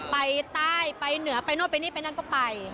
ไปใต้ไปเหนือไปนู่นไปนี่ไปนั่นก็ไป